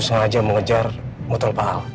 sengaja mengejar muter paal